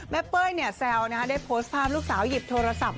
แม่เป้ยเนี่ยแซวนะได้โพสต์ภาพลูกสาวหยิบโทรศัพท์